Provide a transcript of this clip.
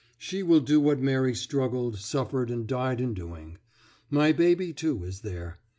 She will do what Mary struggled, suffered, and died in doing. My baby, too, is there.